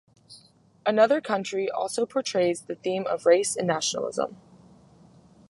Another Country also portrays the theme of race and nationalism.